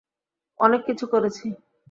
অনেক কিছু করেছি।